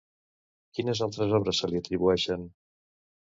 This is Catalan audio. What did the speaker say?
Quines altres obres se li atribueixen?